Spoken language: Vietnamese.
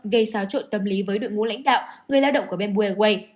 gây xáo trộn tâm lý với đội ngũ lãnh đạo người lao động của bamboo airways